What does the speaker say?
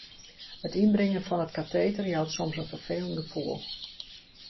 It ynbringen fan it kateter jout soms in ferfelend gefoel.